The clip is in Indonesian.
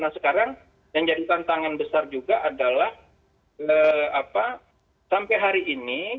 nah sekarang yang jadi tantangan besar juga adalah sampai hari ini